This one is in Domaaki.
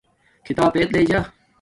کھیتاپ ایت لݵجا